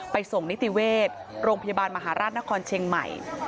ส่งนิติเวชโรงพยาบาลมหาราชนครเชียงใหม่